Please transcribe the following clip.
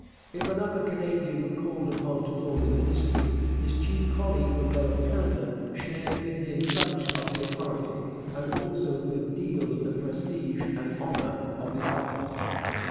If an Upper Canadian were called upon to form a Ministry, his chief colleague from Lower Canada shared with him much of the authority, and also a good deal of the prestige and honour, of the office.